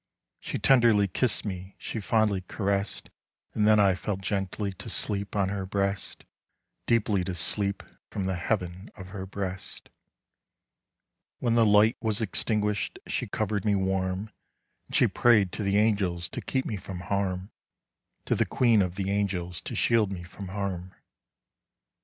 She tenderly kiss'd me, She fondly caress'd, And then I fell gentlyTo sleep on her breast—Deeply to sleepFrom the heaven of her breastWhen the light was extinguish'd, She cover'd me warm, And she pray'd to the angelsTo keep me from harm—To the queen of the angelsTo shield me from harm.